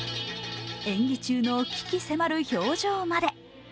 演技中の鬼気迫る表情まで。